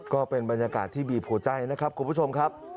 ก็เป็นบรรยากาศที่บีบหัวใจนะครับคุณผู้ชมครับ